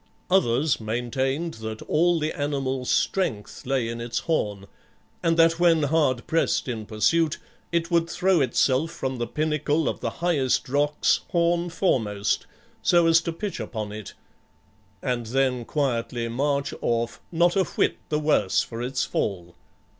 Others maintained that all the animal's strength lay in its horn, and that when hard pressed in pursuit, it would throw itself from the pinnacle of the highest rocks horn foremost, so as to pitch upon it, and then quietly march off not a whit the worse for its fall.